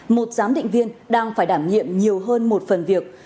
một giám định viên đang phải đảm nhiệm nhiều hơn một phần việc